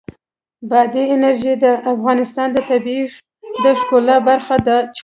بادي انرژي د افغانستان د طبیعت د ښکلا برخه ده.